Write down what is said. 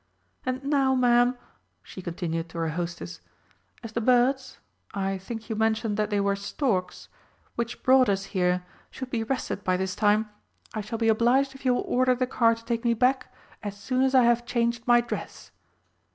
And now, Ma'am," she continued to her hostess, "as the birds I think you mentioned that they were storks which brought us here should be rested by this time, I shall be obliged if you will order the car to take me back as soon as I have changed my dress."